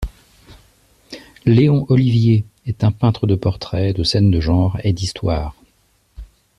Léon Olivié est un peintre de portraits, de scènes de genre et d'histoire.